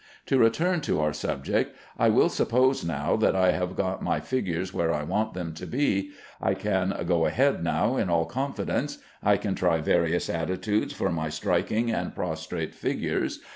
To return to our subject. I will suppose now that I have got my figures where I want them to be. I can go ahead now in all confidence. I can try various attitudes for my striking and prostrate figures.